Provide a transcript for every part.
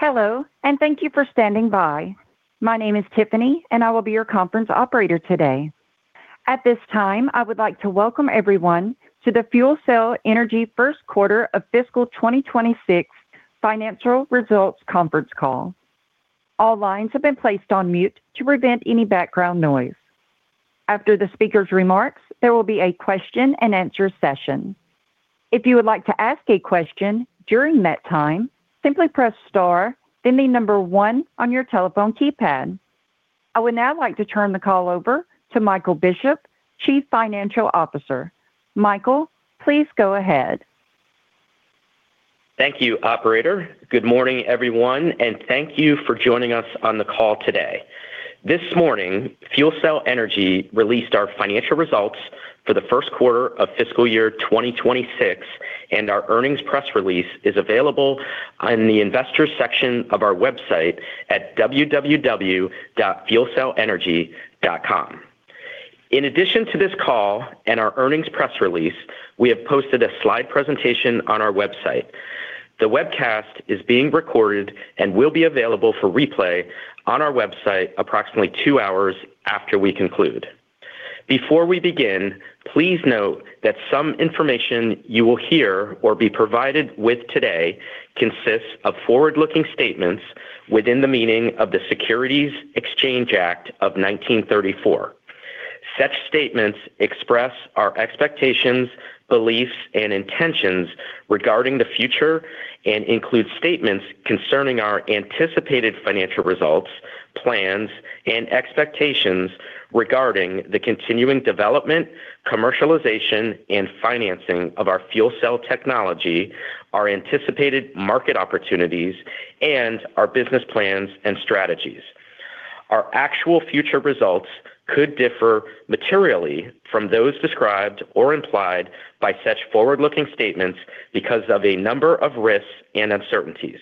Hello, thank you for standing by. My name is Tiffany. I will be your conference operator today. At this time, I would like to welcome everyone to the FuelCell Energy first quarter of fiscal 2026 financial results conference call. All lines have been placed on mute to prevent any background noise. After the speaker's remarks, there will be a question-and-answer session. If you would like to ask a question during that time, simply press star then one on your telephone keypad. I would now like to turn the call over to Michael Bishop, Chief Financial Officer. Michael, please go ahead. Thank you, operator. Good morning, everyone, and thank you for joining us on the call today. This morning, FuelCell Energy released our financial results for the first quarter of fiscal year 2026, and our earnings press release is available on the investors section of our website at www.fuelcellenergy.com. In addition to this call and our earnings press release, we have posted a slide presentation on our website. The webcast is being recorded and will be available for replay on our website approximately two hours after we conclude. Before we begin, please note that some information you will hear or be provided with today consists of forward-looking statements within the meaning of the Securities Exchange Act of 1934. Such statements express our expectations, beliefs, and intentions regarding the future and include statements concerning our anticipated financial results, plans, and expectations regarding the continuing development, commercialization, and financing of our fuel cell technology, our anticipated market opportunities, and our business plans and strategies. Our actual future results could differ materially from those described or implied by such forward-looking statements because of a number of risks and uncertainties.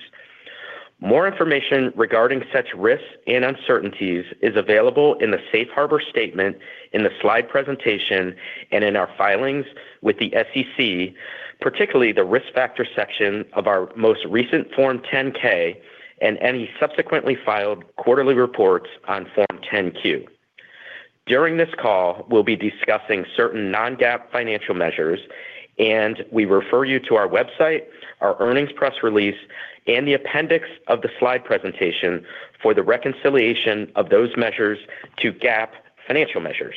More information regarding such risks and uncertainties is available in the Safe Harbor statement in the slide presentation and in our filings with the SEC, particularly the Risk Factor section of our most recent Form 10-K and any subsequently filed quarterly reports on Form 10-Q. During this call, we'll be discussing certain non-GAAP financial measures, and we refer you to our website, our earnings press release, and the appendix of the slide presentation for the reconciliation of those measures to GAAP financial measures.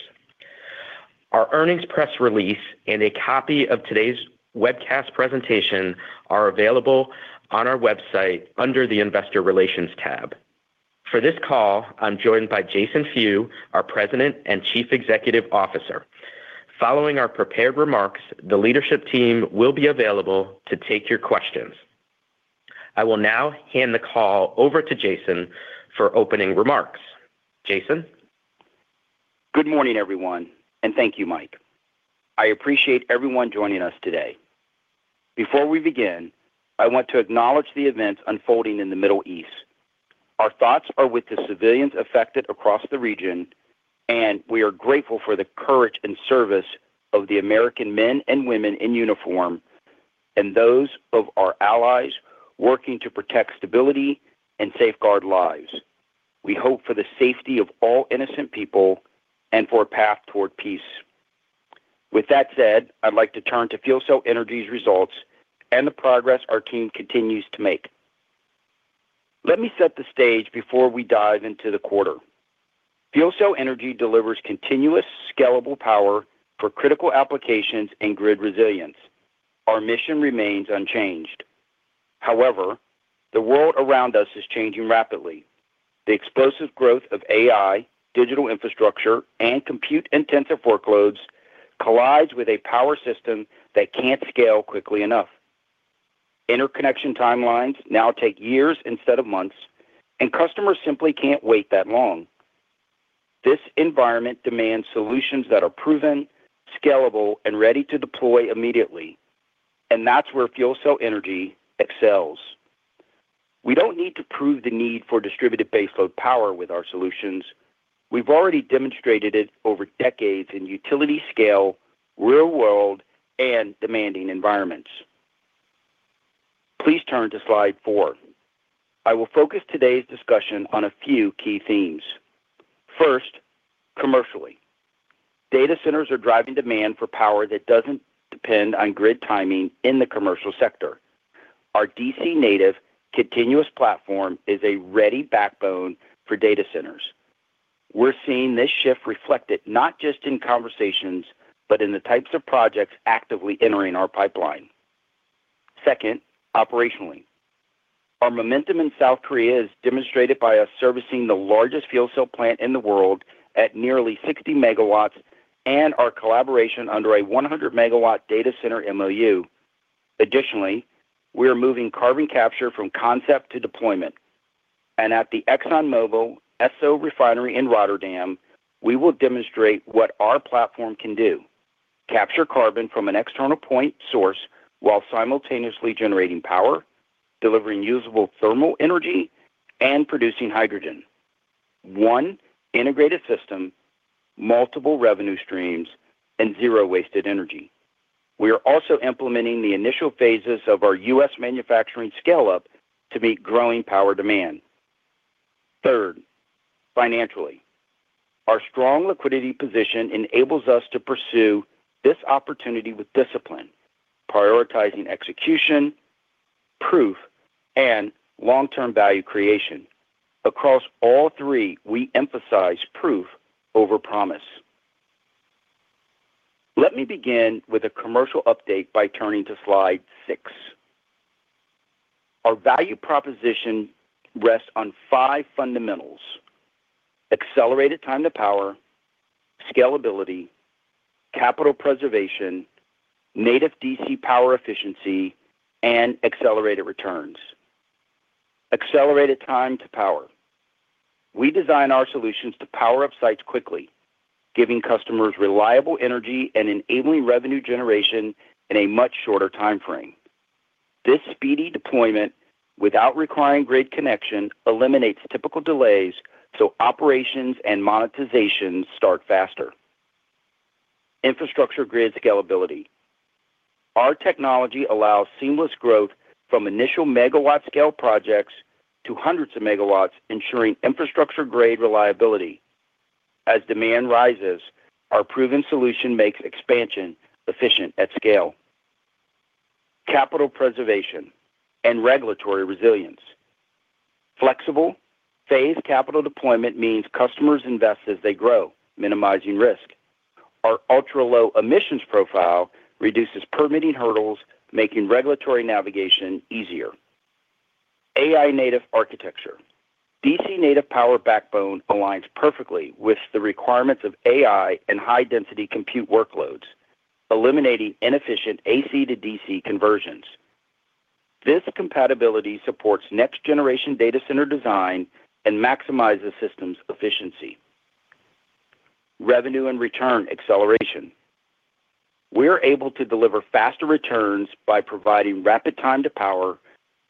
Our earnings press release and a copy of today's webcast presentation are available on our website under the Investor Relations tab. For this call, I'm joined by Jason Few, our President and Chief Executive Officer. Following our prepared remarks, the leadership team will be available to take your questions. I will now hand the call over to Jason for opening remarks. Jason. Good morning, everyone. Thank you, Mike. I appreciate everyone joining us today. Before we begin, I want to acknowledge the events unfolding in the Middle East. Our thoughts are with the civilians affected across the region, and we are grateful for the courage and service of the American men and women in uniform and those of our allies working to protect stability and safeguard lives. We hope for the safety of all innocent people and for a path toward peace. With that said, I'd like to turn to FuelCell Energy's results and the progress our team continues to make. Let me set the stage before we dive into the quarter. FuelCell Energy delivers continuous scalable power for critical applications and grid resilience. Our mission remains unchanged. However, the world around us is changing rapidly. The explosive growth of AI, digital infrastructure, and compute-intensive workloads collides with a power system that can't scale quickly enough. Interconnection timelines now take years instead of months, and customers simply can't wait that long. This environment demands solutions that are proven, scalable, and ready to deploy immediately, and that's where FuelCell Energy excels. We don't need to prove the need for distributed baseload power with our solutions. We've already demonstrated it over decades in utility scale, real-world, and demanding environments. Please turn to slide four. I will focus today's discussion on a few key themes. First, commercially. Data centers are driving demand for power that doesn't depend on grid timing in the commercial sector. Our DC native continuous platform is a ready backbone for data centers. We're seeing this shift reflected not just in conversations, but in the types of projects actively entering our pipeline. Second, operationally. Our momentum in South Korea is demonstrated by us servicing the largest fuel cell plant in the world at nearly 60 MW and our collaboration under a 100 MW data center MOU. Additionally, we are moving carbon capture from concept to deployment. At the ExxonMobil Esso refinery in Rotterdam, we will demonstrate what our platform can do: capture carbon from an external point source while simultaneously generating power, delivering usable thermal energy, and producing hydrogen. One integrated system, multiple revenue streams, and zero wasted energy. We are also implementing the initial phases of our U.S. manufacturing scale-up to meet growing power demand. Third, financially. Our strong liquidity position enables us to pursue this opportunity with discipline, prioritizing execution, proof, and long-term value creation. Across all three, we emphasize proof over promise. Let me begin with a commercial update by turning to slide six. Our value proposition rests on five fundamentals: accelerated time to power, scalability, capital preservation, native DC power efficiency, and accelerated returns. Accelerated time to power. We design our solutions to power up sites quickly, giving customers reliable energy and enabling revenue generation in a much shorter time frame. This speedy deployment without requiring grid connection eliminates typical delays, so operations and monetization start faster. Infrastructure grid scalability. Our technology allows seamless growth from initial megawatt scale projects to hundreds of megawatts, ensuring infrastructure grade reliability. As demand rises, our proven solution makes expansion efficient at scale. Capital preservation and regulatory resilience. Flexible phased capital deployment means customers invest as they grow, minimizing risk. Our ultra-low emissions profile reduces permitting hurdles, making regulatory navigation easier. AI native architecture. DC native power backbone aligns perfectly with the requirements of AI and high-density compute workloads, eliminating inefficient AC to DC conversions. This compatibility supports next-generation data center design and maximizes systems efficiency. Revenue and return acceleration. We are able to deliver faster returns by providing rapid time to power,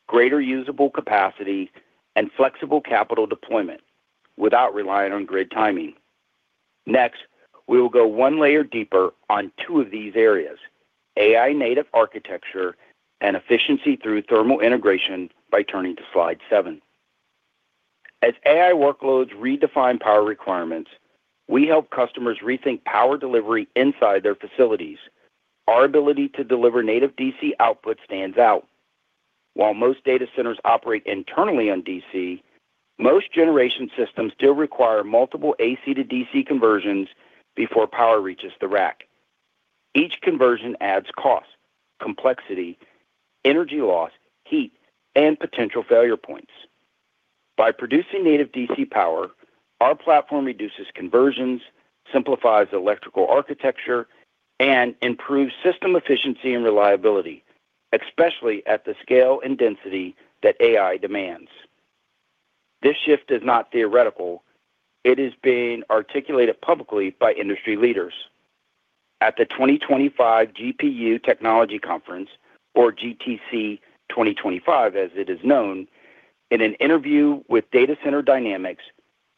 greater usable capacity, and flexible capital deployment without relying on grid timing. Next, we will go one layer deeper on two of these areas: AI native architecture and efficiency through thermal integration by turning to slide seven. As AI workloads redefine power requirements, we help customers rethink power delivery inside their facilities. Our ability to deliver native DC output stands out. While most data centers operate internally on DC, most generation systems still require multiple AC to DC conversions before power reaches the rack. Each conversion adds cost, complexity, energy loss, heat, and potential failure points. By producing native DC power, our platform reduces conversions, simplifies electrical architecture, and improves system efficiency and reliability, especially at the scale and density that AI demands. This shift is not theoretical. It is being articulated publicly by industry leaders. At the 2025 GPU Technology Conference, or GTC 2025, as it is known, in an interview with Data Center Dynamics,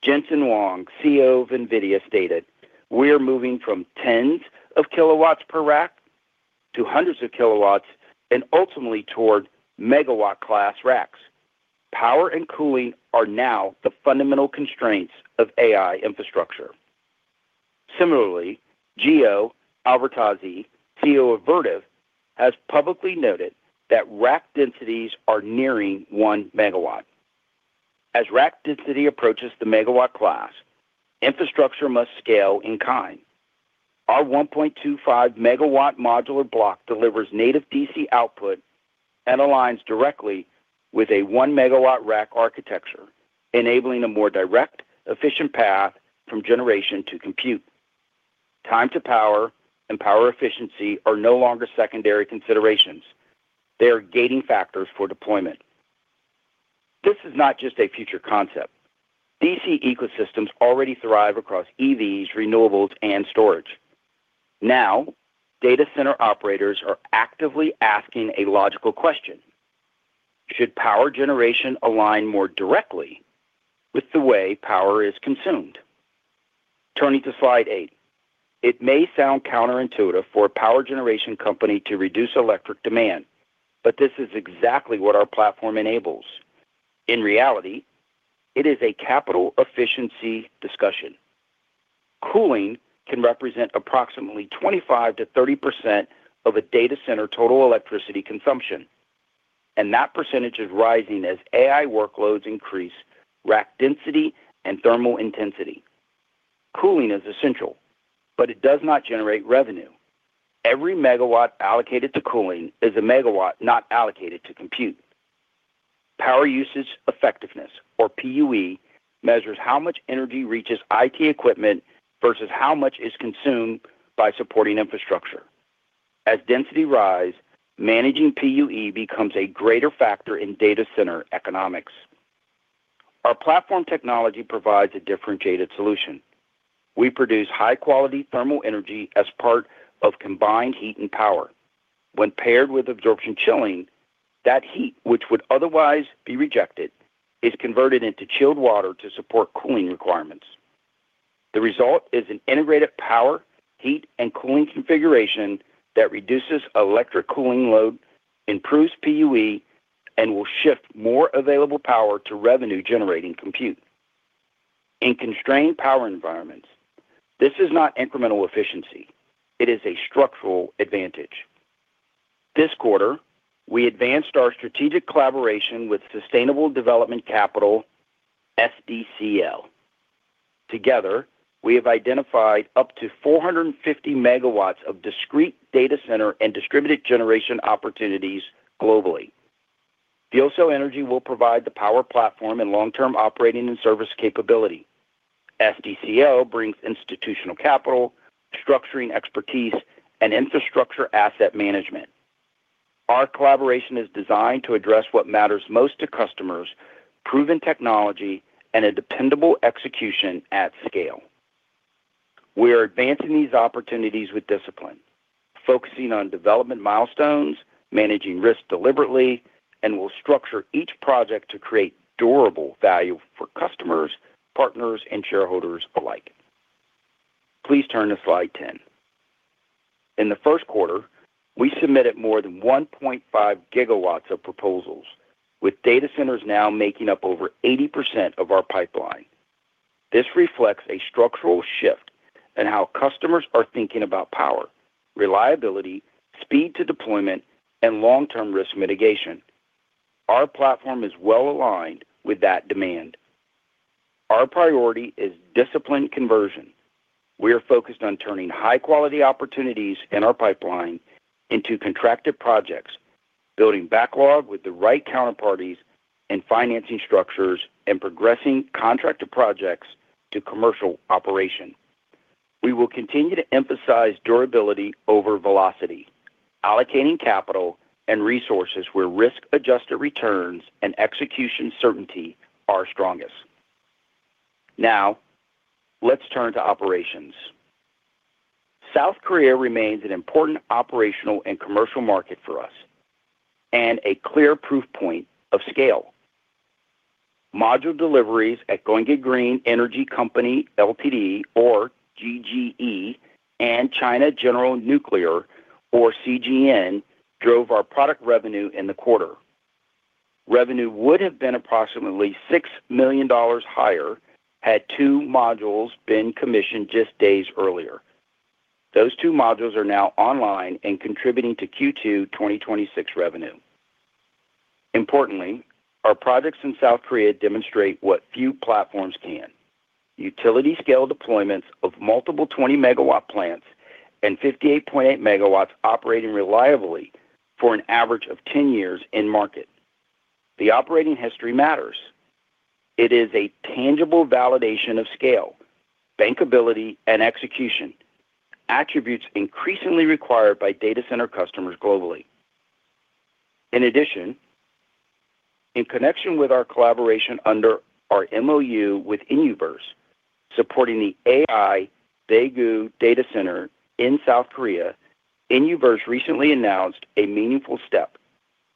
Jensen Huang, CEO of NVIDIA, stated, "We are moving from tens of kilowatts per rack to hundreds of kilowatts and ultimately toward megawatt class racks. Power and cooling are now the fundamental constraints of AI infrastructure." Similarly, Gio Albertazzi, CEO of Vertiv, has publicly noted that rack densities are nearing 1 MW. As rack density approaches the megawatt class, infrastructure must scale in kind. Our 1.25 MW modular block delivers native DC output and aligns directly with a 1 MW rack architecture, enabling a more direct, efficient path from generation to compute. Time to power and power efficiency are no longer secondary considerations. They are gating factors for deployment. This is not just a future concept. DC ecosystems already thrive across EVs, renewables, and storage. Data center operators are actively asking a logical question: Should power generation align more directly with the way power is consumed? Turning to slide eight. It may sound counterintuitive for a power generation company to reduce electric demand, but this is exactly what our platform enables. In reality, it is a capital efficiency discussion. Cooling can represent approximately 25%-30% of a data center total electricity consumption, and that percentage is rising as AI workloads increase rack density and thermal intensity. Cooling is essential, but it does not generate revenue. Every megawatt allocated to cooling is a megawatt not allocated to compute. Power usage effectiveness, or PUE, measures how much energy reaches IT equipment versus how much is consumed by supporting infrastructure. As density rise, managing PUE becomes a greater factor in data center economics. Our platform technology provides a differentiated solution. We produce high-quality thermal energy as part of combined heat and power. When paired with absorption chilling, that heat, which would otherwise be rejected, is converted into chilled water to support cooling requirements. The result is an integrated power, heat, and cooling configuration that reduces electric cooling load, improves PUE, and will shift more available power to revenue-generating compute. In constrained power environments, this is not incremental efficiency. It is a structural advantage. This quarter, we advanced our strategic collaboration with Sustainable Development Capital, SDCL. Together, we have identified up to 450 MW of discrete data center and distributed generation opportunities globally. FuelCell Energy will provide the power platform and long-term operating and service capability. SDCL brings institutional capital, structuring expertise, and infrastructure asset management. Our collaboration is designed to address what matters most to customers, proven technology, and a dependable execution at scale. We are advancing these opportunities with discipline, focusing on development milestones, managing risk deliberately, and will structure each project to create durable value for customers, partners, and shareholders alike. Please turn to slide 10. In the first quarter, we submitted more than 1.5 GW of proposals, with data centers now making up over 80% of our pipeline. This reflects a structural shift in how customers are thinking about power, reliability, speed to deployment, and long-term risk mitigation. Our platform is well-aligned with that demand. Our priority is disciplined conversion. We are focused on turning high-quality opportunities in our pipeline into contracted projects, building backlog with the right counterparties and financing structures, and progressing contracted projects to commercial operation. We will continue to emphasize durability over velocity, allocating capital and resources where risk-adjusted returns and execution certainty are strongest. Now, let's turn to operations. South Korea remains an important operational and commercial market for us and a clear proof point of scale. Module deliveries at Gyeonggi Green Energy Co., Ltd., or GGE, and China General Nuclear, or CGN, drove our product revenue in the quarter. Revenue would have been approximately $6 million higher had two modules been commissioned just days earlier. Those two modules are now online and contributing to Q2 2026 revenue. Importantly, our projects in South Korea demonstrate what few platforms can, utility-scale deployments of multiple 20 MW plants and 58.8 MW operating reliably for an average of 10 years in market. The operating history matters. It is a tangible validation of scale, bankability, and execution, attributes increasingly required by data center customers globally. In addition, in connection with our collaboration under our MOU with Inuverse, supporting the AI Daegu Data Center in South Korea, Inuverse recently announced a meaningful step,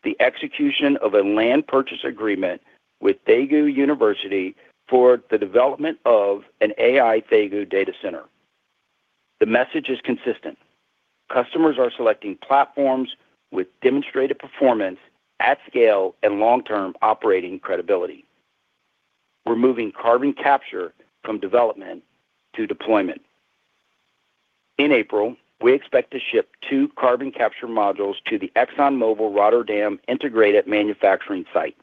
the execution of a land purchase agreement with Daegu University for the development of an AI Daegu Data Center. The message is consistent. Customers are selecting platforms with demonstrated performance at scale and long-term operating credibility. We're moving carbon capture from development to deployment. In April, we expect to ship two carbon capture modules to the ExxonMobil Rotterdam Integrated Manufacturing Site.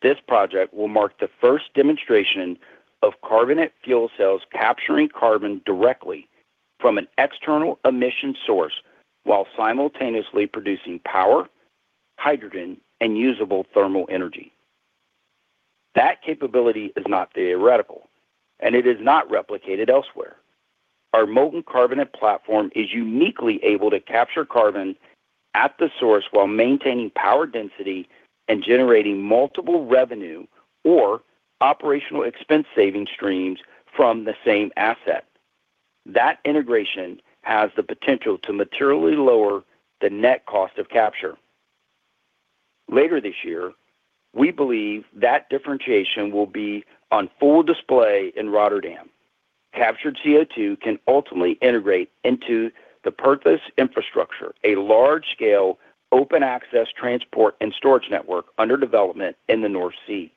This project will mark the first demonstration of carbonate fuel cells capturing carbon directly from an external emission source while simultaneously producing power, hydrogen, and usable thermal energy. That capability is not theoretical, and it is not replicated elsewhere. Our molten carbonate platform is uniquely able to capture carbon at the source while maintaining power density and generating multiple revenue or operational expense saving streams from the same asset. That integration has the potential to materially lower the net cost of capture. Later this year, we believe that differentiation will be on full display in Rotterdam. Captured CO2 can ultimately integrate into the Poseidon infrastructure, a large-scale open access transport and storage network under development in the North Sea.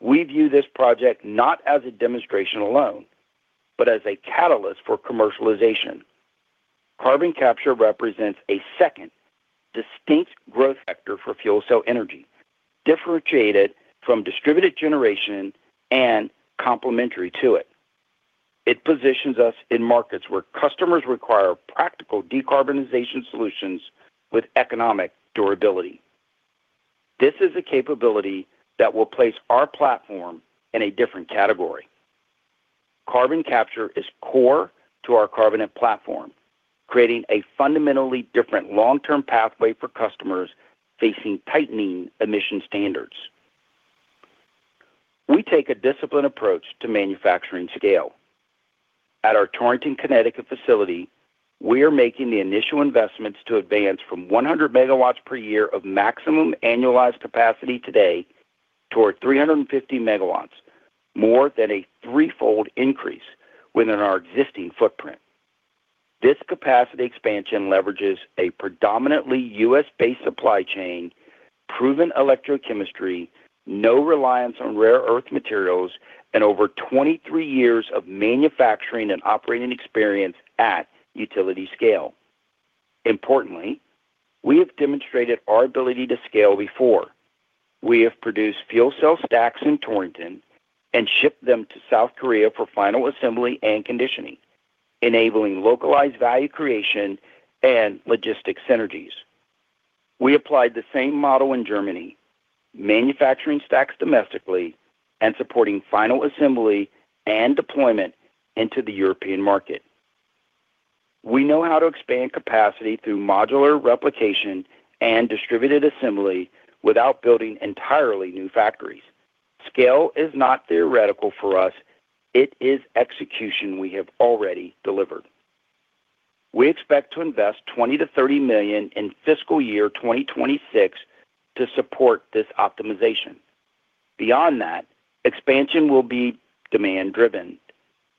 We view this project not as a demonstration alone, but as a catalyst for commercialization. Carbon capture represents a second distinct growth vector for FuelCell Energy, differentiated from distributed generation and complementary to it. It positions us in markets where customers require practical decarbonization solutions with economic durability. This is a capability that will place our platform in a different category. Carbon capture is core to our carbonate platform, creating a fundamentally different long-term pathway for customers facing tightening emission standards. We take a disciplined approach to manufacturing scale. At our Torrington, Connecticut facility, we are making the initial investments to advance from 100 MW per year of maximum annualized capacity today toward 350 MW, more than a threefold increase within our existing footprint. This capacity expansion leverages a predominantly U.S.-based supply chain, proven electrochemistry, no reliance on rare earth materials, and over 23 years of manufacturing and operating experience at utility scale. Importantly, we have demonstrated our ability to scale before. We have produced fuel cell stacks in Torrington and shipped them to South Korea for final assembly and conditioning, enabling localized value creation and logistics synergies. We applied the same model in Germany, manufacturing stacks domestically and supporting final assembly and deployment into the European market. We know how to expand capacity through modular replication and distributed assembly without building entirely new factories. Scale is not theoretical for us. It is execution we have already delivered. We expect to invest $20 million-$30 million in fiscal year 2026 to support this optimization. Beyond that, expansion will be demand driven.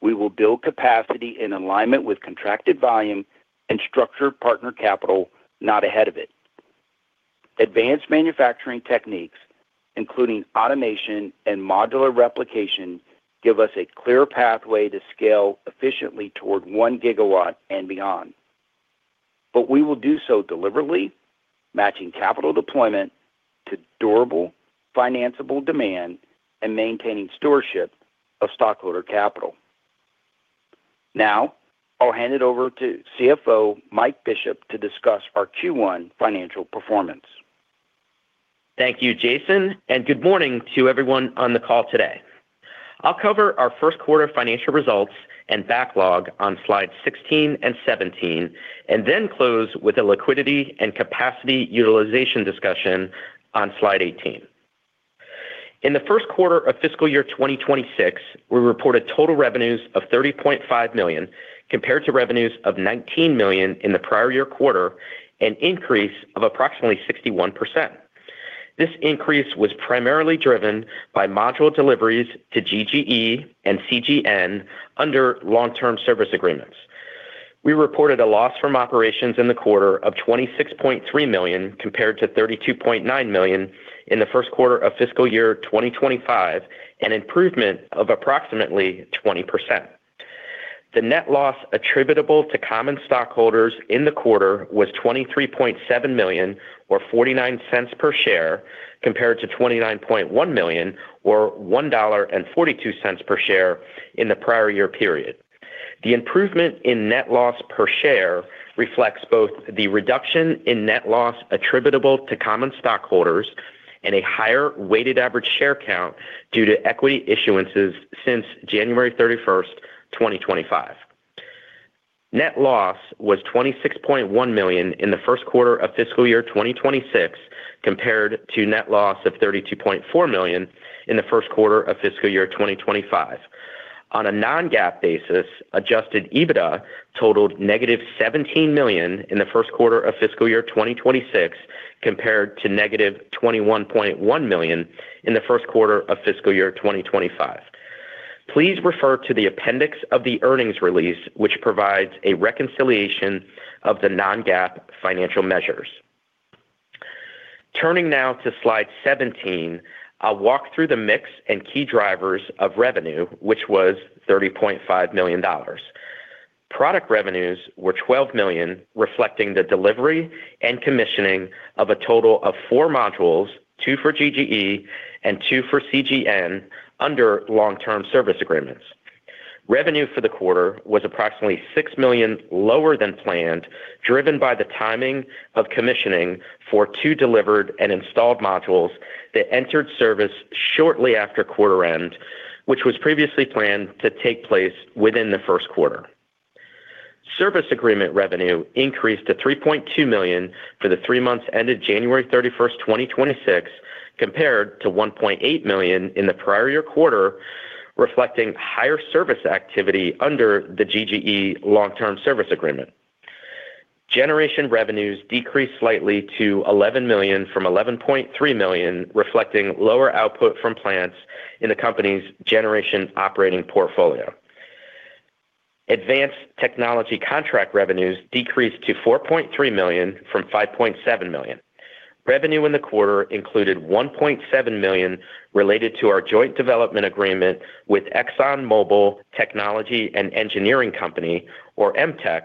We will build capacity in alignment with contracted volume and structure partner capital, not ahead of it. Advanced manufacturing techniques, including automation and modular replication, give us a clear pathway to scale efficiently toward 1 GW and beyond. We will do so deliberately, matching capital deployment to durable, financiable demand and maintaining stewardship of stockholder capital. I'll hand it over to CFO Mike Bishop to discuss our Q1 financial performance. Thank you, Jason, and good morning to everyone on the call today. I'll cover our first quarter financial results and backlog on slide 16 and 17 and then close with a liquidity and capacity utilization discussion on slide 18. In the first quarter of fiscal year 2026, we reported total revenues of $30.5 million compared to revenues of $19 million in the prior year quarter, an increase of approximately 61%. This increase was primarily driven by module deliveries to GGE and CGN under long-term service agreements. We reported a loss from operations in the quarter of $26.3 million compared to $32.9 million in the first quarter of fiscal year 2025, an improvement of approximately 20%. The net loss attributable to common stockholders in the quarter was $23.7 million or $0.49 per share compared to $29.1 million or $1.42 per share in the prior year period. The improvement in net loss per share reflects both the reduction in net loss attributable to common stockholders and a higher weighted average share count due to equity issuances since January 31, 2025. Net loss was $26.1 million in the first quarter of fiscal year 2026 compared to net loss of $32.4 million in the first quarter of fiscal year 2025. On a non-GAAP basis, adjusted EBITDA totaled negative $17 million in the first quarter of fiscal year 2026 compared to negative $21.1 million in the first quarter of fiscal year 2025. Please refer to the appendix of the earnings release, which provides a reconciliation of the non-GAAP financial measures. Turning now to slide 17, I'll walk through the mix and key drivers of revenue, which was $30.5 million. Product revenues were $12 million, reflecting the delivery and commissioning of a total of four modules, two for GGE and two for CGN under long-term service agreements. Revenue for the quarter was approximately $6 million lower than planned, driven by the timing of commissioning for two delivered and installed modules that entered service shortly after quarter end, which was previously planned to take place within the first quarter. Service agreement revenue increased to $3.2 million for the three months ended January 31, 2026 compared to $1.8 million in the prior year quarter, reflecting higher service activity under the GGE long-term service agreement. Generation revenues decreased slightly to $11 million from $11.3 million, reflecting lower output from plants in the company's generation operating portfolio. Advanced technology contract revenues decreased to $4.3 million from $5.7 million. Revenue in the quarter included $1.7 million related to our joint development agreement with ExxonMobil Technology and Engineering Company, or EMTEC,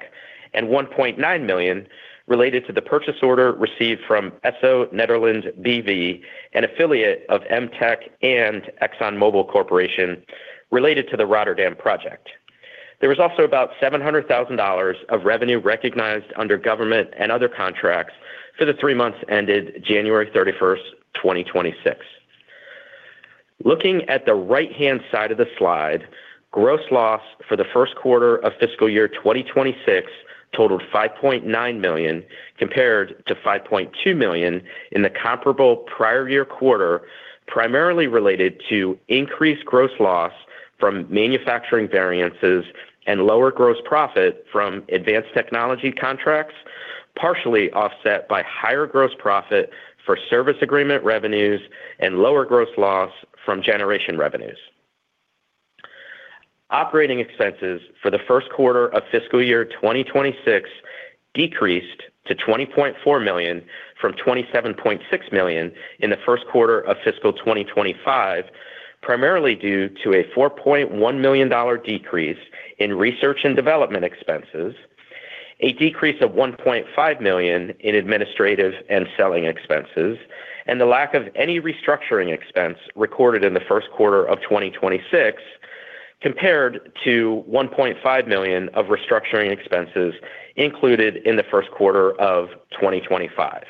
and $1.9 million related to the purchase order received from Esso Nederland BV, an affiliate of EMTEC and ExxonMobil Corporation, related to the Rotterdam project. There was also about $700,000 of revenue recognized under government and other contracts for the three months ended January 31, 2026. Looking at the right-hand side of the slide, gross loss for the first quarter of fiscal year 2026 totaled $5.9 million compared to $5.2 million in the comparable prior year quarter, primarily related to increased gross loss from manufacturing variances and lower gross profit from advanced technology contracts, partially offset by higher gross profit for service agreement revenues and lower gross loss from generation revenues. Operating expenses for the first quarter of fiscal year 2026 decreased to $20.4 million from $27.6 million in the first quarter of fiscal 2025, primarily due to a $4.1 million decrease in research and development expenses, a decrease of $1.5 million in administrative and selling expenses, and the lack of any restructuring expense recorded in the first quarter of 2026 compared to $1.5 million of restructuring expenses included in the first quarter of 2025.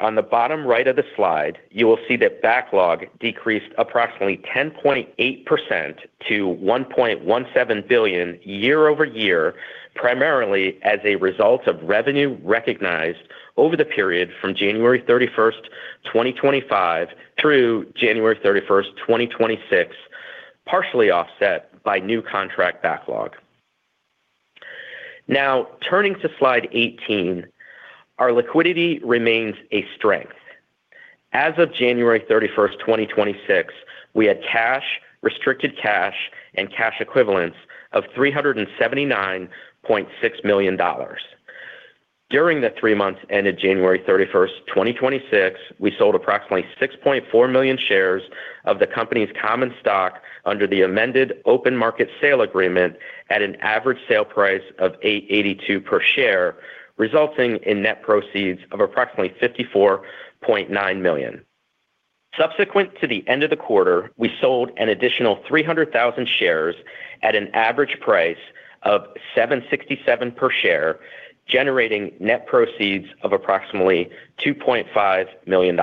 On the bottom right of the slide, you will see that backlog decreased approximately 10.8% to $1.17 billion year-over-year, primarily as a result of revenue recognized over the period from January 31st, 2025 through January 31st, 2026, partially offset by new contract backlog. Turning to slide 18, our liquidity remains a strength. As of January 31, 2026, we had cash, restricted cash, and cash equivalents of $379.6 million. During the three months ended January 31, 2026, we sold approximately 6.4 million shares of the company's common stock under the amended Open Market Sale Agreement at an average sale price of $8.82 per share, resulting in net proceeds of approximately $54.9 million. Subsequent to the end of the quarter, we sold an additional 300,000 shares at an average price of $7.67 per share, generating net proceeds of approximately $2.5 million.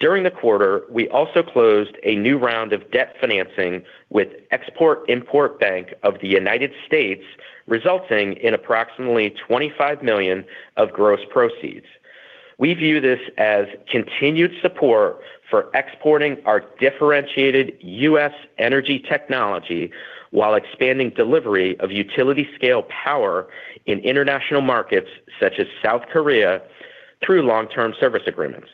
During the quarter, we also closed a new round of debt financing with Export-Import Bank of the United States, resulting in approximately $25 million of gross proceeds. We view this as continued support for exporting our differentiated U.S. energy technology while expanding delivery of utility-scale power in international markets, such as South Korea, through long-term service agreements.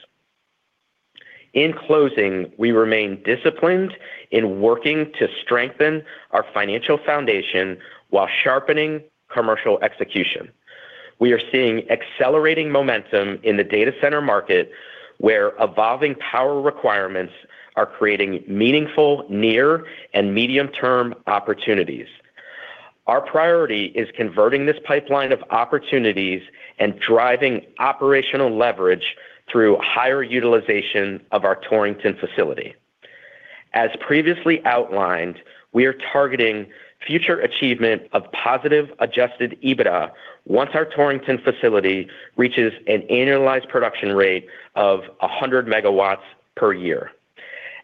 In closing, we remain disciplined in working to strengthen our financial foundation while sharpening commercial execution. We are seeing accelerating momentum in the data center market, where evolving power requirements are creating meaningful near and medium-term opportunities. Our priority is converting this pipeline of opportunities and driving operational leverage through higher utilization of our Torrington facility. As previously outlined, we are targeting future achievement of positive adjusted EBITDA once our Torrington facility reaches an annualized production rate of 100 megawatts per year.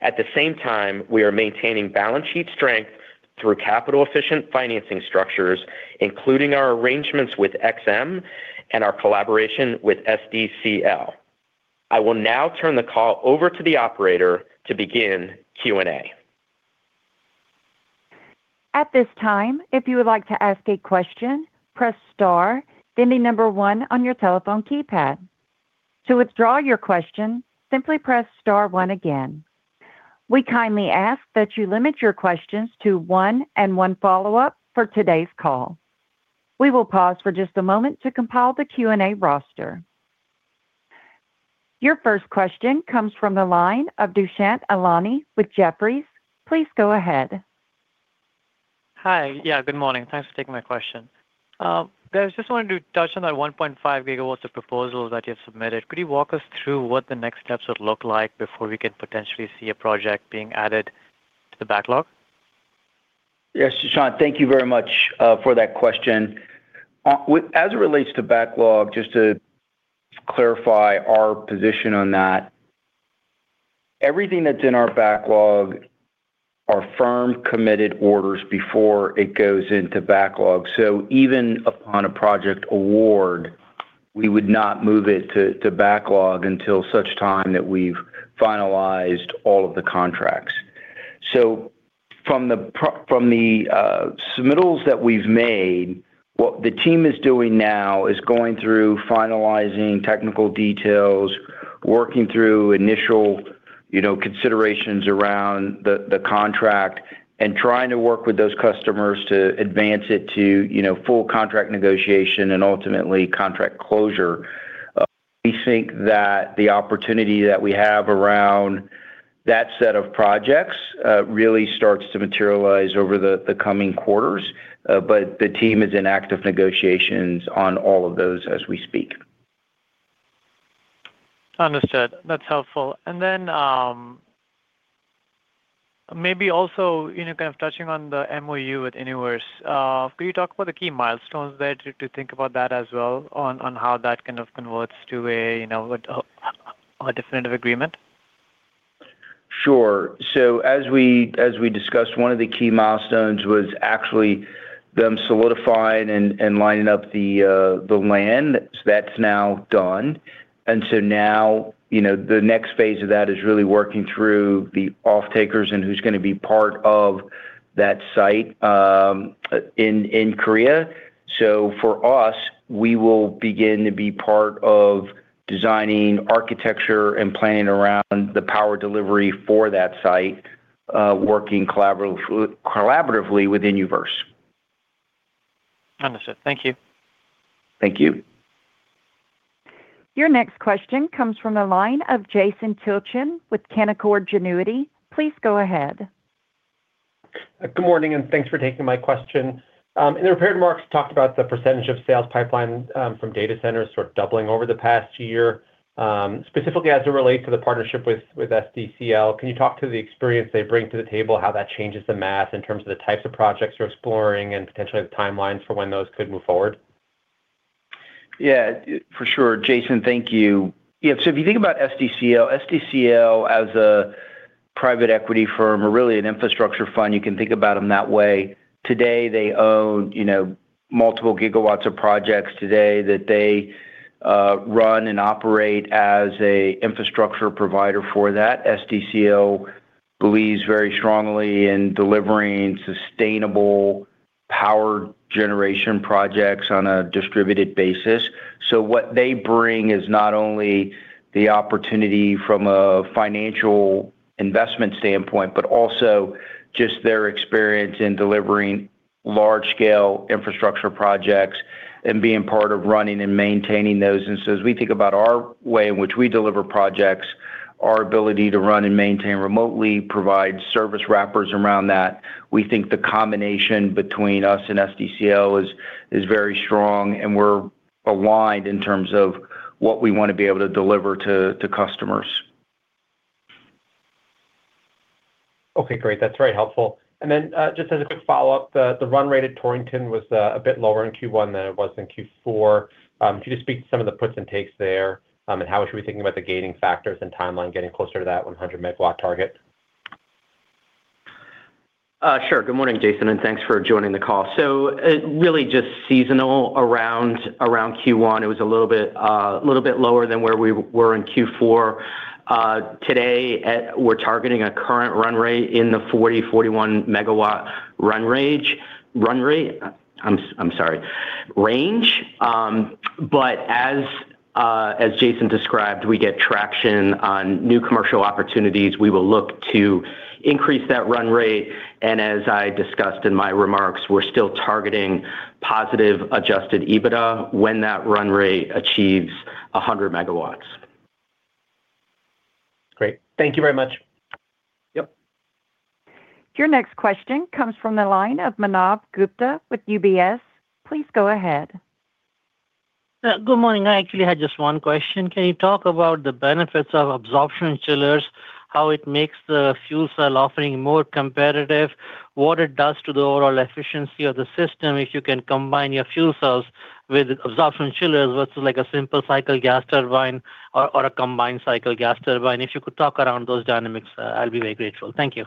At the same time, we are maintaining balance sheet strength through capital-efficient financing structures, including our arrangements with EXIM and our collaboration with SDCL. I will now turn the call over to the operator to begin Q&A. At this time, if you would like to ask a question, press star, then the number one on your telephone keypad. To withdraw your question, simply press star one again. We kindly ask that you limit your questions to one and one follow-up for today's call. We will pause for just a moment to compile the Q&A roster. Your first question comes from the line of Dushyant Ailani with Jefferies. Please go ahead. Hi. Yeah, good morning. Thanks for taking my question. Guys, just wanted to touch on that 1.5 GW of proposals that you've submitted. Could you walk us through what the next steps would look like before we could potentially see a project being added to the backlog? Yes, Dushyant. Thank you very much for that question. As it relates to backlog, just to clarify our position on that, everything that's in our backlog are firm, committed orders before it goes into backlog. Even upon a project award, we would not move it to backlog until such time that we've finalized all of the contracts. From the submittals that we've made, what the team is doing now is going through finalizing technical details, working through initial, you know, considerations around the contract, and trying to work with those customers to advance it to, you know, full contract negotiation and ultimately contract closure. We think that the opportunity that we have around that set of projects really starts to materialize over the coming quarters. The team is in active negotiations on all of those as we speak. Understood. That's helpful. Then, Maybe also, you know, kind of touching on the MOU with Inuverse. Could you talk about the key milestones there to think about that as well on how that kind of converts to a, you know, a definitive agreement? Sure. As we discussed, one of the key milestones was actually them solidifying and lining up the land. That's now done. Now, you know, the next phase of that is really working through the off-takers and who's going to be part of that site in Korea. For us, we will begin to be part of designing architecture and planning around the power delivery for that site, working collaboratively with Inuverse. Understood. Thank you. Thank you. Your next question comes from the line of Jason Tilchen with Canaccord Genuity. Please go ahead. Good morning. Thanks for taking my question. In the prepared remarks, you talked about the percentage of sales pipeline, from data centers sort of doubling over the past year. Specifically as it relates to the partnership with SDCL, can you talk to the experience they bring to the table, how that changes the math in terms of the types of projects you're exploring and potentially the timelines for when those could move forward? For sure, Jason. Thank you. If you think about SDCL as a private equity firm or really an infrastructure fund, you can think about them that way. Today, they own, you know, multiple gigawatts of projects today that they run and operate as a infrastructure provider for that. SDCL believes very strongly in delivering sustainable power generation projects on a distributed basis. What they bring is not only the opportunity from a financial investment standpoint, but also just their experience in delivering large scale infrastructure projects and being part of running and maintaining those. As we think about our way in which we deliver projects, our ability to run and maintain remotely provide service wrappers around that, we think the combination between us and SDCL is very strong, and we're aligned in terms of what we want to be able to deliver to customers. Okay, great. That's very helpful. Then just as a quick follow-up, the run rate at Torrington was a bit lower in Q1 than it was in Q4. Could you just speak to some of the puts and takes there, and how we should be thinking about the gaining factors and timeline getting closer to that 100 MW target? Sure. Good morning, Jason, and thanks for joining the call. Really just seasonal around Q1. It was a little bit lower than where we were in Q4. Today, we're targeting a current run rate in the 40 MW-41 MW run rage. Run rate. I'm sorry, range. As Jason described, we get traction on new commercial opportunities. We will look to increase that run rate. As I discussed in my remarks, we're still targeting positive adjusted EBITDA when that run rate achieves 100 MW. Great. Thank you very much. Yep. Your next question comes from the line of Manav Gupta with UBS. Please go ahead. Good morning. I actually had just one question. Can you talk about the benefits of absorption chillers, how it makes the fuel cell offering more competitive, what it does to the overall efficiency of the system if you can combine your fuel cells with absorption chillers versus like a simple cycle gas turbine or a combined cycle gas turbine? If you could talk around those dynamics, I'll be very grateful. Thank you.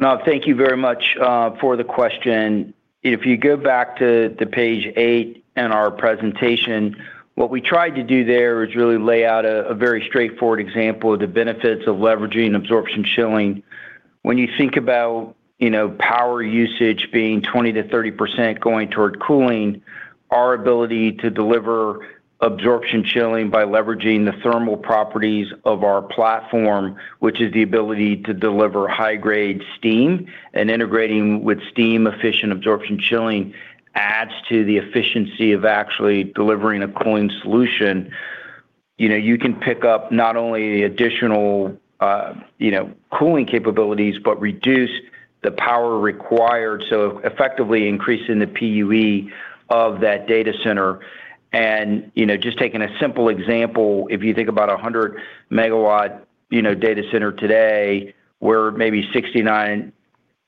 Manav, thank you very much for the question. If you go back to page 8 in our presentation, what we tried to do there is really lay out a very straightforward example of the benefits of leveraging absorption chilling. When you think about, you know, power usage being 20%-30% going toward cooling, our ability to deliver absorption chilling by leveraging the thermal properties of our platform, which is the ability to deliver high-grade steam and integrating with steam efficient absorption chilling adds to the efficiency of actually delivering a cooling solution. You know, you can pick up not only additional, you know, cooling capabilities, but reduce the power required, so effectively increasing the PUE of that data center. You know, just taking a simple example, if you think about a 100 MW, you know, data center today, where maybe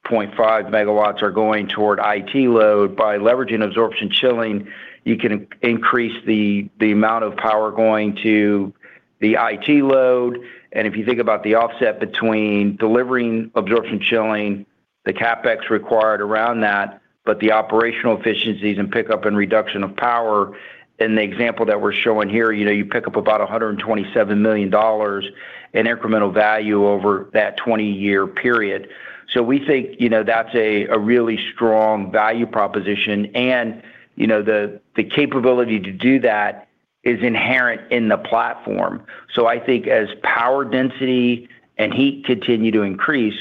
69.5 MW are going toward IT load, by leveraging absorption chilling, you can increase the amount of power going to the IT load. If you think about the offset between delivering absorption chilling, the CapEx required around that, but the operational efficiencies and pickup and reduction of power, in the example that we're showing here, you know, you pick up about $127 million in incremental value over that 20-year period. We think, you know, that's a really strong value proposition. You know, the capability to do that is inherent in the platform. I think as power density and heat continue to increase,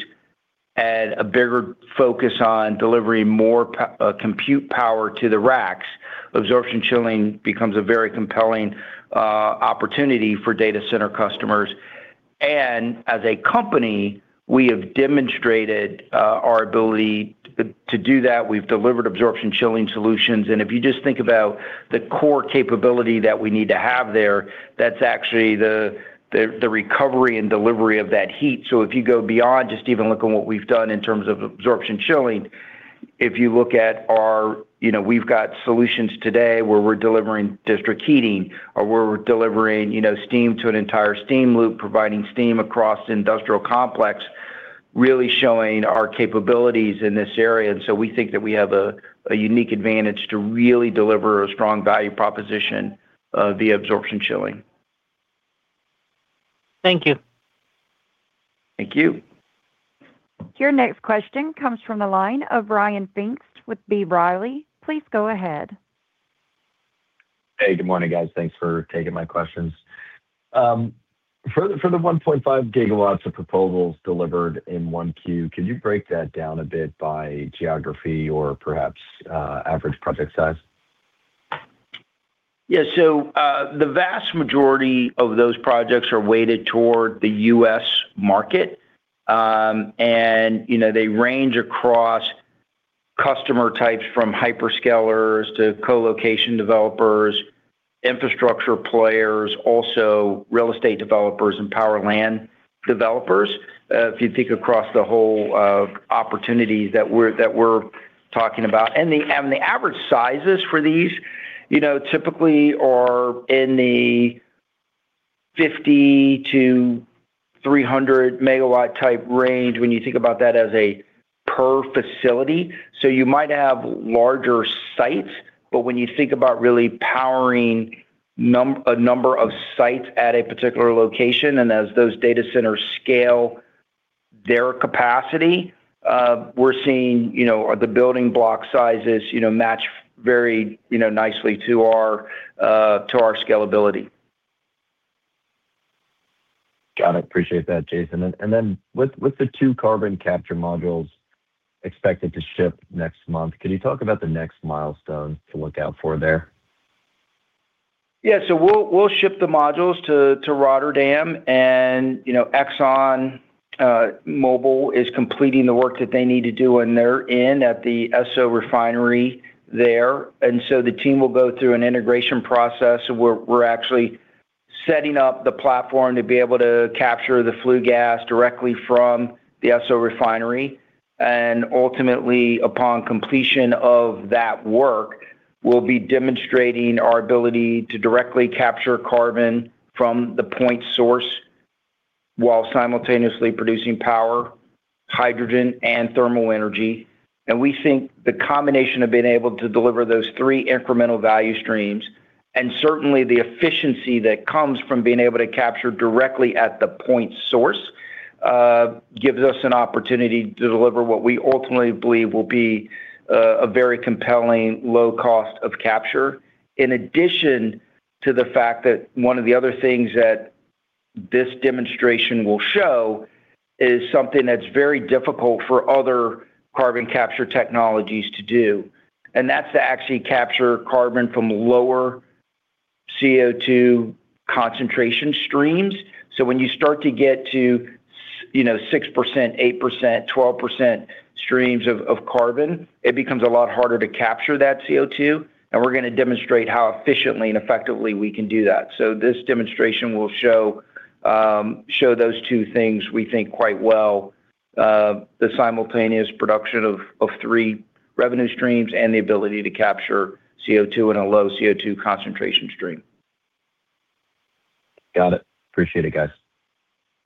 and a bigger focus on delivering more compute power to the racks, absorption chilling becomes a very compelling opportunity for data center customers. As a company, we have demonstrated our ability to do that. We've delivered absorption chilling solutions. If you just think about the core capability that we need to have there, that's actually the recovery and delivery of that heat. If you go beyond just even looking what we've done in terms of absorption chilling. You know, we've got solutions today where we're delivering district heating or where we're delivering, you know, steam to an entire steam loop, providing steam across industrial complex, really showing our capabilities in this area. We think that we have a unique advantage to really deliver a strong value proposition of the absorption chilling. Thank you. Thank you. Your next question comes from the line of Ryan Pfingst with B. Riley. Please go ahead. Hey, good morning, guys. Thanks for taking my questions. For the 1.5 GW of proposals delivered in 1Q, could you break that down a bit by geography or perhaps average project size? The vast majority of those projects are weighted toward the US market. They range across customer types from hyperscalers to co-location developers, infrastructure players, also real estate developers and power land developers, if you think across the whole of opportunities that we're talking about. The average sizes for these, you know, typically are in the 50 MW-300 MW type range when you think about that as a per facility. So you might have larger sites, but when you think about really powering a number of sites at a particular location, and as those data centers scale their capacity, we're seeing, you know, the building block sizes, you know, match very, you know, nicely to our scalability. Got it. Appreciate that, Jason. With the two carbon capture modules expected to ship next month, could you talk about the next milestone to look out for there? Yeah. We'll ship the modules to Rotterdam and, you know, ExxonMobil is completing the work that they need to do, and they're in at the Esso refinery there. The team will go through an integration process where we're actually setting up the platform to be able to capture the flue gas directly from the Esso refinery. Ultimately, upon completion of that work, we'll be demonstrating our ability to directly capture carbon from the point source while simultaneously producing power, hydrogen, and thermal energy. We think the combination of being able to deliver those three incremental value streams, and certainly the efficiency that comes from being able to capture directly at the point source, gives us an opportunity to deliver what we ultimately believe will be a very compelling low cost of capture. In addition to the fact that one of the other things that this demonstration will show is something that's very difficult for other carbon capture technologies to do, and that's to actually capture carbon from lower CO2 concentration streams. When you start to get to you know, 6%, 8%, 12% streams of carbon, it becomes a lot harder to capture that CO2, and we're going to demonstrate how efficiently and effectively we can do that. This demonstration will show those two things we think quite well, the simultaneous production of three revenue streams and the ability to capture CO2 in a low CO2 concentration stream. Got it. Appreciate it, guys.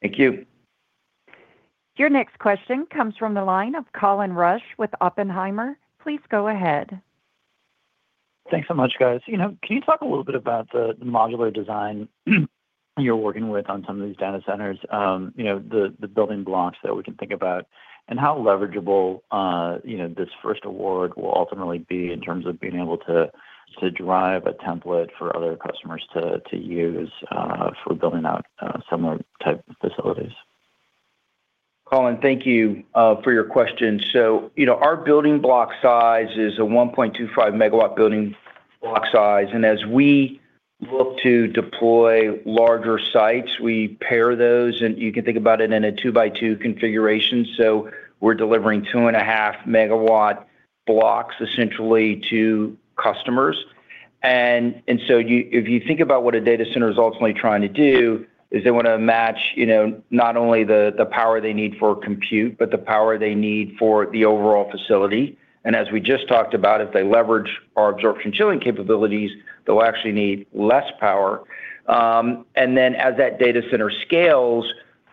Thank you. Your next question comes from the line of Colin Rusch with Oppenheimer. Please go ahead. Thanks so much, guys. You know, can you talk a little bit about the modular design you're working with on some of these data centers, you know, the building blocks that we can think about, and how leverageable, you know, this first award will ultimately be in terms of being able to drive a template for other customers to use for building out similar type of facilities? Colin, thank you for your question. You know, our building block size is a 1.25 MW building block size. As we look to deploy larger sites, we pair those, and you can think about it in a 2x2 configuration. We're delivering 2.5 MW blocks essentially to customers. If you think about what a data center is ultimately trying to do is they want to match, you know, not only the power they need for compute, but the power they need for the overall facility. As we just talked about, if they leverage our absorption chilling capabilities, they'll actually need less power. As that data center scales,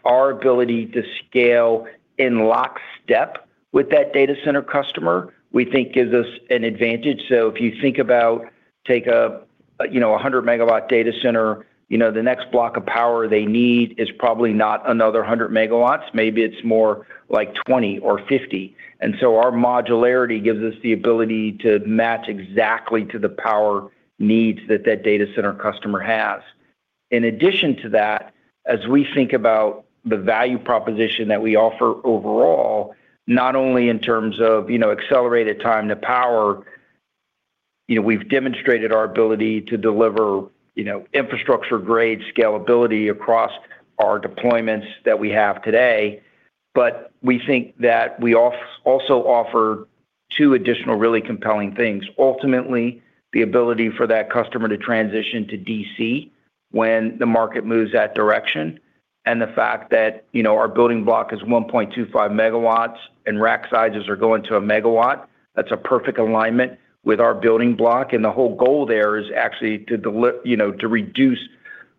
our ability to scale in lockstep with that data center customer, we think gives us an advantage. If you think about take a, you know, a 100 MW data center, you know, the next block of power they need is probably not another 100 MW, maybe it's more like 20 MW or 50 MW. Our modularity gives us the ability to match exactly to the power needs that that data center customer has. In addition to that, as we think about the value proposition that we offer overall, not only in terms of, you know, accelerated time to power, you know, we've demonstrated our ability to deliver, you know, infrastructure grade scalability across our deployments that we have today, but we think that we also offer two additional really compelling things. Ultimately, the ability for that customer to transition to DC when the market moves that direction. The fact that, you know, our building block is 1.25 MW and rack sizes are going to 1 MW, that's a perfect alignment with our building block. The whole goal there is actually to reduce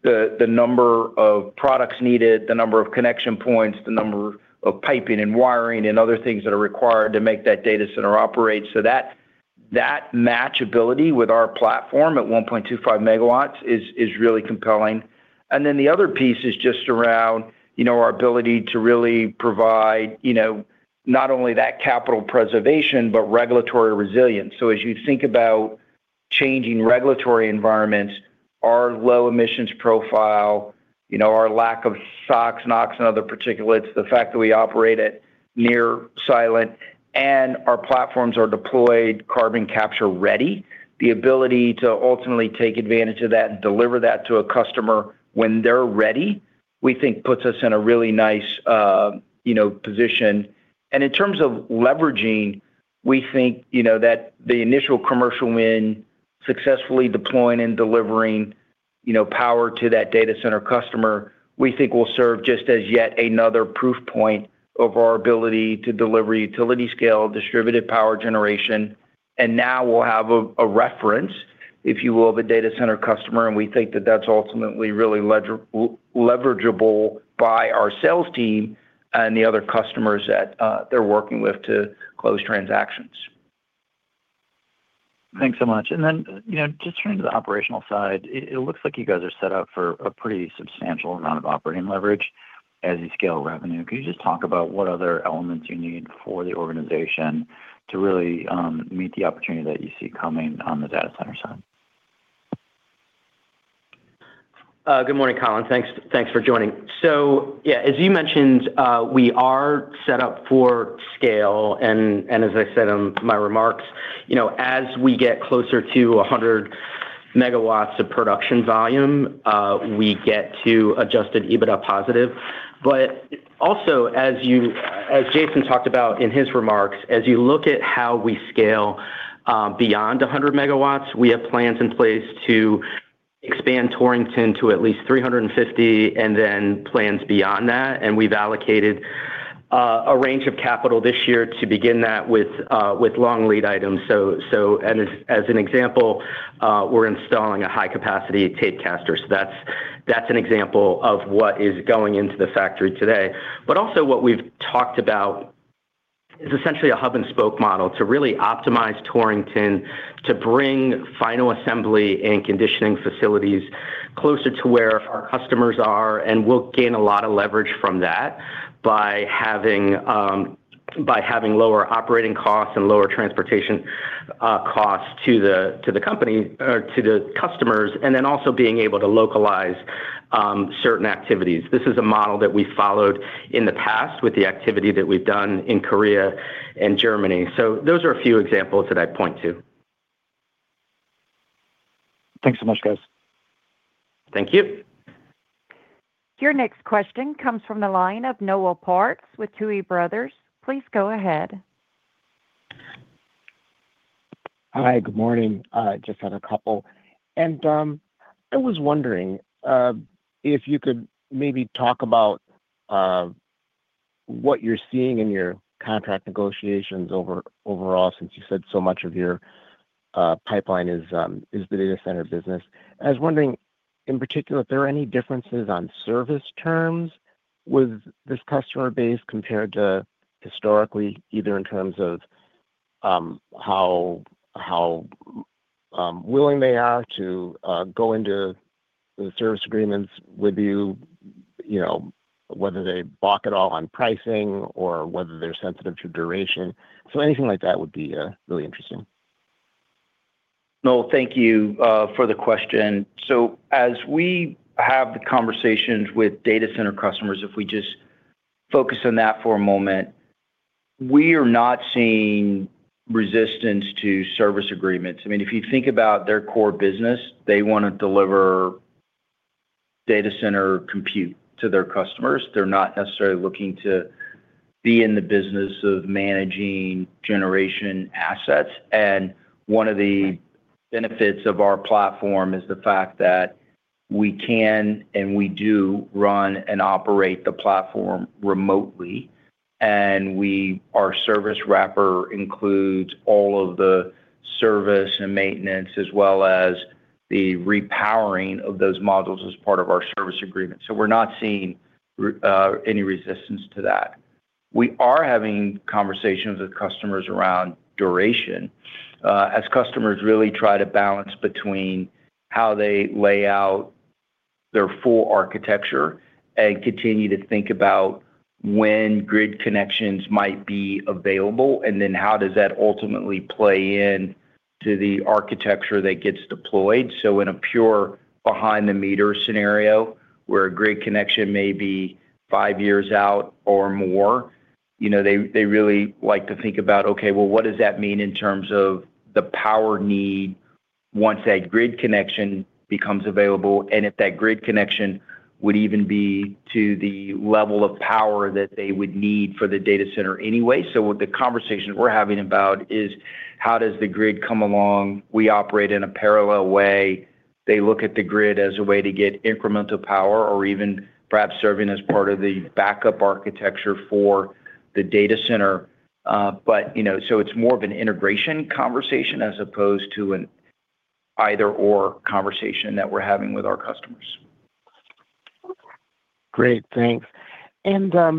the number of products needed, the number of connection points, the number of piping and wiring and other things that are required to make that data center operate. That matchability with our platform at 1.25 MW is really compelling. The other piece is just around, you know, our ability to really provide, you know, not only that capital preservation, but regulatory resilience. As you think about changing regulatory environments, our low emissions profile, you know, our lack of SOx, NOx and other particulates, the fact that we operate at near silent and our platforms are deployed carbon capture ready, the ability to ultimately take advantage of that and deliver that to a customer when they're ready, we think puts us in a really nice, you know, position. In terms of leveraging, we think, you know, that the initial commercial win successfully deploying and delivering, you know, power to that data center customer, we think will serve just as yet another proof point of our ability to deliver utility scale, distributed power generation. Now we'll have a reference, if you will, of a data center customer, and we think that that's ultimately really leveragable by our sales team and the other customers that they're working with to close transactions. Thanks so much. Then, you know, just turning to the operational side, it looks like you guys are set up for a pretty substantial amount of operating leverage as you scale revenue. Could you just talk about what other elements you need for the organization to really meet the opportunity that you see coming on the data center side? Good morning, Colin. Thanks for joining. As you mentioned, we are set up for scale, and as I said on my remarks, you know, as we get closer to 100 MW of production volume, we get to adjusted EBITDA positive. Also, as Jason talked about in his remarks, as you look at how we scale beyond 100 MW, we have plans in place to expand Torrington to at least 350, and then plans beyond that. We've allocated a range of capital this year to begin that with long lead items. As an example, we're installing a high capacity tape caster. That's an example of what is going into the factory today. Also what we've talked about is essentially a hub and spoke model to really optimize Torrington to bring final assembly and conditioning facilities closer to where our customers are. We'll gain a lot of leverage from that by having lower operating costs and lower transportation costs to the, to the company or to the customers, and then also being able to localize certain activities. This is a model that we followed in the past with the activity that we've done in Korea and Germany. Those are a few examples that I'd point to. Thanks so much, guys. Thank you. Your next question comes from the line of Noel Parks with Tuohy Brothers. Please go ahead. Hi. Good morning. Just had a couple. I was wondering if you could maybe talk about what you're seeing in your contract negotiations overall since you said so much of your pipeline is the data center business. I was wondering in particular if there are any differences on service terms with this customer base compared to historically, either in terms of how willing they are to go into the service agreements with you know, whether they balk at all on pricing or whether they're sensitive to duration. Anything like that would be really interesting. Noel, thank you for the question. As we have the conversations with data center customers, if we just focus on that for a moment, we are not seeing resistance to service agreements. I mean, if you think about their core business, they want to deliver data center compute to their customers. They're not necessarily looking to be in the business of managing generation assets. One of the benefits of our platform is the fact that we can and we do run and operate the platform remotely. Our service wrapper includes all of the service and maintenance as well as the repowering of those modules as part of our service agreement. We're not seeing any resistance to that. We are having conversations with customers around duration, as customers really try to balance between how they lay out their full architecture and continue to think about when grid connections might be available, and then how does that ultimately play in to the architecture that gets deployed. In a pure behind the meter scenario where a grid connection may be five years out or more, you know, they really like to think about, "Okay, well, what does that mean in terms of the power need once that grid connection becomes available?" If that grid connection would even be to the level of power that they would need for the data center anyway. What the conversation we're having about is how does the grid come along? We operate in a parallel way. They look at the grid as a way to get incremental power or even perhaps serving as part of the backup architecture for the data center. You know, it's more of an integration conversation as opposed to an either/or conversation that we're having with our customers. Great. Thanks. You know,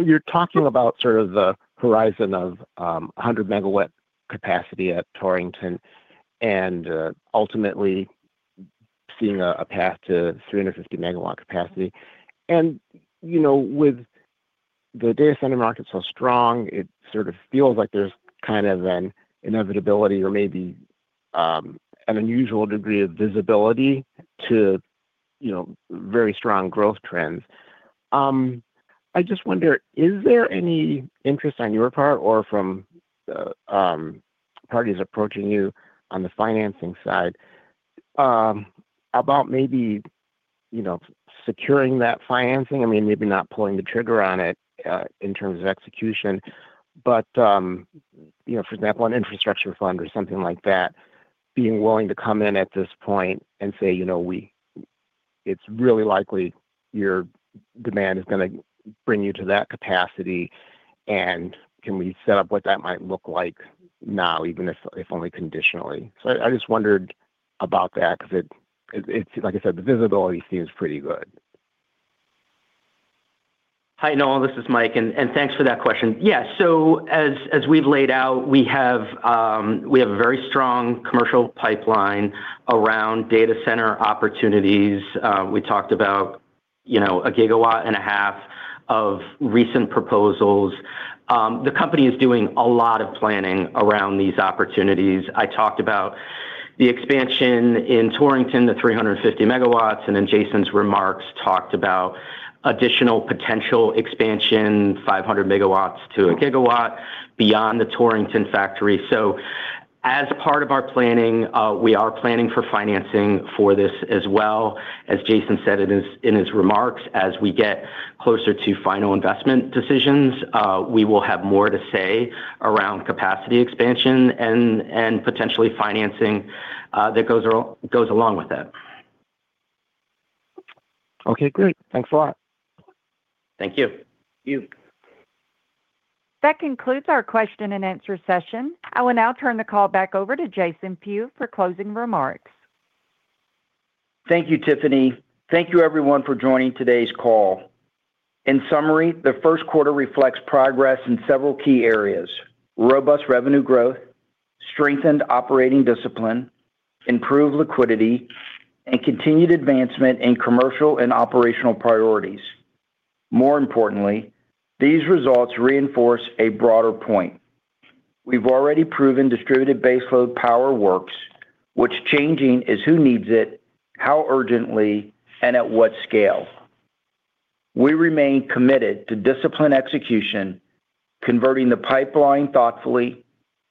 you're talking about sort of the horizon of a 100 MW capacity at Torrington and ultimately seeing a path to 350 MW capacity. You know, with the data center market so strong, it sort of feels like there's kind of an inevitability or maybe an unusual degree of visibility to, you know, very strong growth trends. I just wonder, is there any interest on your part or from the parties approaching you on the financing side, about maybe, you know, securing that financing? I mean, maybe not pulling the trigger on it, in terms of execution, but, you know, for example, an infrastructure fund or something like that being willing to come in at this point and say, you know, "It's really likely your demand is going to bring you to that capacity, and can we set up what that might look like now, even if only conditionally?" I just wondered about that 'cause it like I said, the visibility seems pretty good. Hi, Noel. This is Mike. Thanks for that question. As we've laid out, we have a very strong commercial pipeline around data center opportunities. We talked about, you know, 1.5 GW of recent proposals. The company is doing a lot of planning around these opportunities. I talked about the expansion in Torrington to 350 MW, and then Jason's remarks talked about additional potential expansion, 500 MW to 1 GW beyond the Torrington factory. As part of our planning, we are planning for financing for this as well. As Jason said in his remarks, as we get closer to final investment decisions, we will have more to say around capacity expansion and potentially financing that goes along with it. Okay. Great. Thanks a lot. Thank you. Thank you. That concludes our question and answer session. I will now turn the call back over to Jason Few for closing remarks. Thank you, Tiffany. Thank you everyone for joining today's call. In summary, the first quarter reflects progress in several key areas: robust revenue growth, strengthened operating discipline, improved liquidity, and continued advancement in commercial and operational priorities. More importantly, these results reinforce a broader point. We've already proven distributed base load power works. What's changing is who needs it, how urgently, and at what scale. We remain committed to discipline execution, converting the pipeline thoughtfully,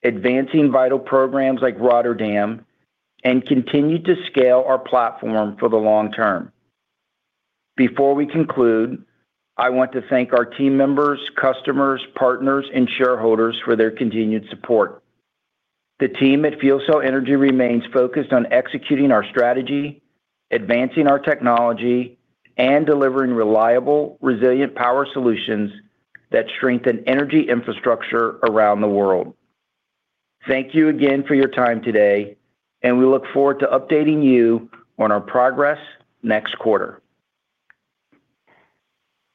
advancing vital programs like Rotterdam, and continue to scale our platform for the long term. Before we conclude, I want to thank our team members, customers, partners, and shareholders for their continued support. The team at FuelCell Energy remains focused on executing our strategy, advancing our technology, and delivering reliable, resilient power solutions that strengthen energy infrastructure around the world. Thank you again for your time today, and we look forward to updating you on our progress next quarter.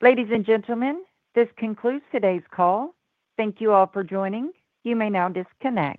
Ladies and gentlemen, this concludes today's call. Thank you all for joining. You may now disconnect.